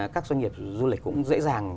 các doanh nghiệp du lịch cũng dễ dàng